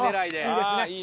いいですね。